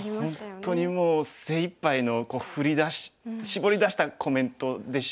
本当にもう精いっぱいの絞り出したコメントでしょうね。